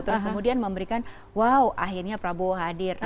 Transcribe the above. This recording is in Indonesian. terus kemudian memberikan wow akhirnya prabowo hadir